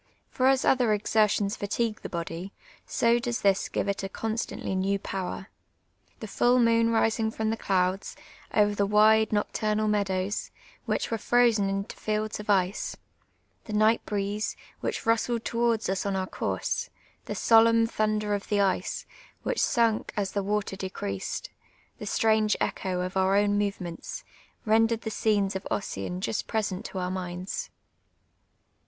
For as other exertions fatigue the body, so does this give it a constantly new power. The full moon rising from the clouds, over the wide nocturnal meadows, Avhich were frozen into fields of ice ; the night breeze, which rustled towards us on our couixe : the solemn tlnuuler of the ice, which sunk as the water decreased ; the strange echo of our own movements, rendered the scenes of Ossian ju'^t present to our minds.